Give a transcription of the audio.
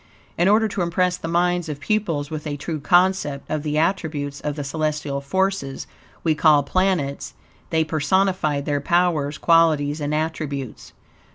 In order to impress the minds of pupils with a true concept of the attributes of the celestial forces, we call planets, they personified their powers, qualities, and attributes.